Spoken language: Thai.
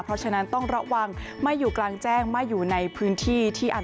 เพราะฉะนั้นต้องระวังไม่อยู่กลางแจ้งไม่อยู่ในพื้นที่ที่อัน